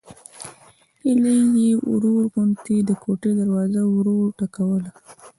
هيلې يې ورو غوندې د کوټې دروازه وروټکوله